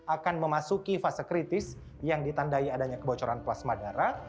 akan memasuki fase kritis yang ditandai adanya kebocoran plasma darah